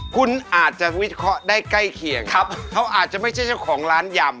คุณอาจจะวิเคราะห์ได้ใกล้เคียงครับเขาอาจจะไม่ใช่เจ้าของร้านยำ